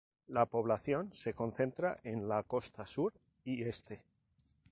La población se concentra en la costa sur y este.